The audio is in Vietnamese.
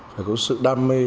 phải có sự đam mê